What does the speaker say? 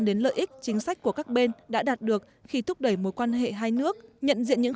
đến lợi ích chính sách của các bên đã đạt được khi thúc đẩy mối quan hệ hai nước nhận diện những